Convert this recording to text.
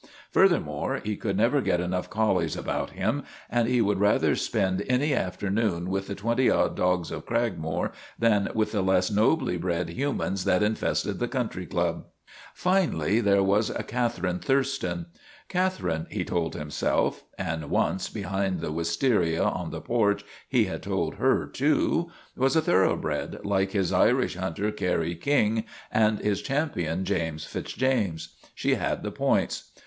Furthermore, he could never get enough collies about him and he would rather spend any afternoon with the twenty odd dogs of Cragmore than with the less nobly bred humans that infested the Country Club. Finally, there was Catherine Thurston. Cath erine, he told himself and once, behind the wis taria on the porch, he had told her, too was a thoroughbred, like his Irish hunter Kerry King and his Champion James Fitz James. She had the points.